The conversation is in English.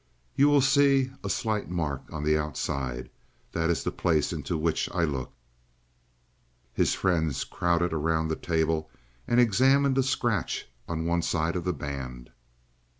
"You will see a slight mark on the outside. That is the place into which I looked." His friends crowded around the table and examined a scratch on one side of the band.